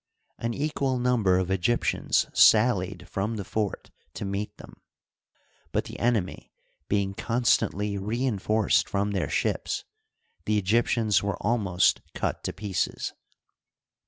An equal number of Egyptians sallied from the fort to meet them ; but the enemy being constantly re enforced from their ships, the Egyptians were almost cut to pieces.